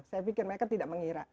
saya pikir mereka tidak mengira